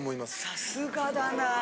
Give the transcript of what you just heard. さすがだな。